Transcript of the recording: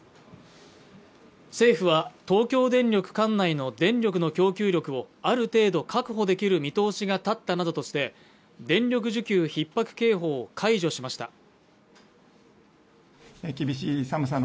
政府は東京電力管内の電力の供給力をある程度確保できる見通しが立ったなどとして電力需給ひっ迫警報を解除しました